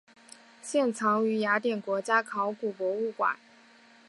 现藏于雅典国家考古博物馆。